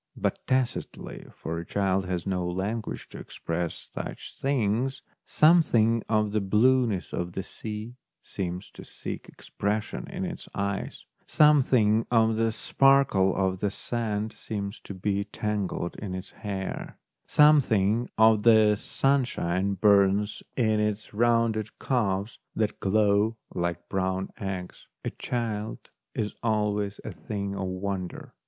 But tacitly, for a child has no language to express such things, something of the blueness of the sea seems to seek expression in its eyes, something of the sparkle of the sand seems to be tangled in its hair, something of the sunshine burns in its rounded calves that glow like brown eggs. A child is always a thing of wonder.